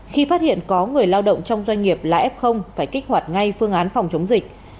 khi phát hiện có người lao động trong doanh nghiệp là f phải kích hoạt ngay phương án phòng chống dịch